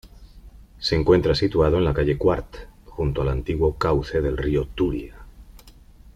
Se encuentra situado en la calle Quart, junto al antiguo cauce del río Turia.